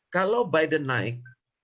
kalau biden naik